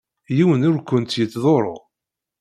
Yiwen ur kent-yettḍurru.